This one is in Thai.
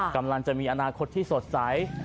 กำลังจะมีอนาคตที่สดใส